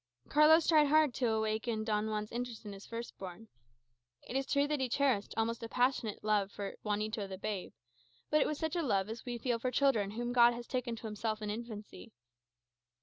Carlos tried hard to awaken Don Juan's interest in his first born. It is true that he cherished an almost passionate love for Juanito the babe, but it was such a love as we feel for children whom God has taken to himself in infancy.